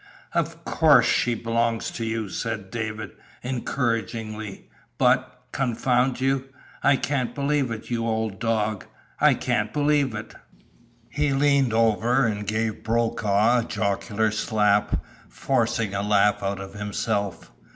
"Of course, she belongs to you," said David, encouragingly, "but confound you I can't believe it, you old dog! I can't believe it!" He leaned over and gave Brokaw a jocular slap, forcing a laugh out of himself.